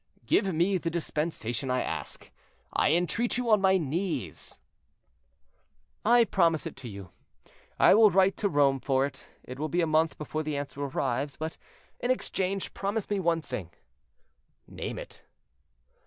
"Give me the dispensation I ask; I entreat you on my knees." "I promise it to you; I will write to Rome for it. It will be a month before the answer arrives; but, in exchange, promise me one thing." "Name it."